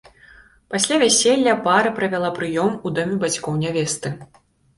Пасля вяселля пара правяла прыём у доме бацькоў нявесты.